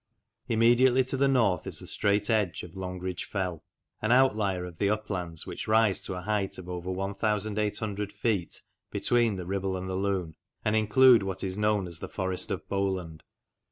Immediately to the north is the straight edge of Longridge Fell, an outlier of the uplands which rise to a height of over 1,800 feet between the Ribble and the Lune, and include what is known as the forest of Bowland.